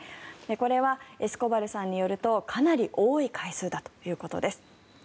これはエスコバルさんによりますとかなり多い回数だということです。